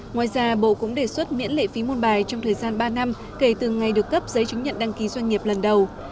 ngoài ra bộ cũng đề xuất miễn lệ phí môn bài trong thời gian ba năm kể từ ngày được cấp giấy chứng nhận đăng ký doanh nghiệp lần đầu